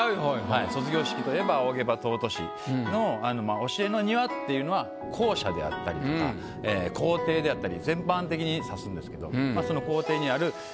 卒業式といえば「仰げば尊し」の「教えの庭」っていうのは校舎であったりとか校庭であったり全般的に指すんですけど。